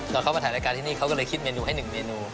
เราเข้ามาถ่ายรายการที่นี่เขาก็เลยคิดเมนูให้๑เมนู